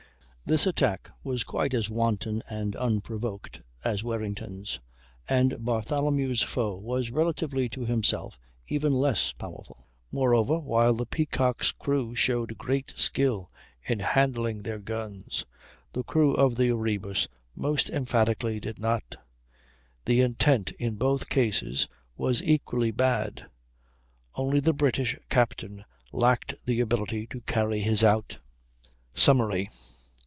This attack was quite as wanton and unprovoked as Warrington's, and Bartholomew's foe was relatively to himself even less powerful; moreover, while the Peacock's crew showed great skill in handling their guns, the crew of the Erebus most emphatically did not. The intent in both cases was equally bad, only the British captain lacked the ability to carry his out. Summary.